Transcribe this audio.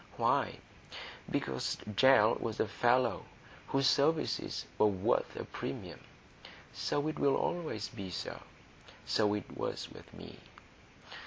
Why, because Gell was a fellow whose services were worth a premium. So it will always be, sir. So it was with me.